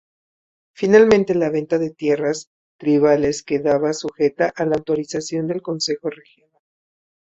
Finalmente la venta de tierras tribales quedaba sujeta a la autorización del consejo regional.